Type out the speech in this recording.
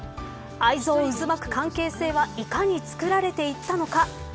愛憎渦巻く関係性はいかに作られていったのか。